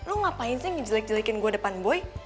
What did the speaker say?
lo ngapain sih ngejelek jelekin gue depan boy